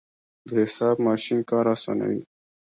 د حساب ماشین کار اسانوي.